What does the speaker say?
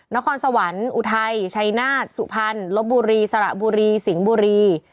นครสวรรค์อุทัยชัยนาฏสุพรรณลบบุรีสระบุรีสิงห์บุรี